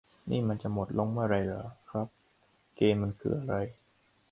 นี่มันจะไปหมดลงเมื่อไหร่เหรอครับ เกณฑ์มันคืออะไร